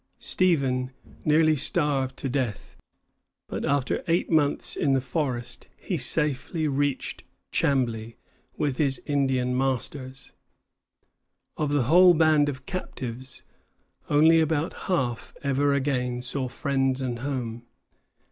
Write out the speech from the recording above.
Stephen nearly starved to death; but after eight months in the forest, he safely reached Chambly with his Indian masters. Of the whole band of captives, only about half ever again saw friends and home.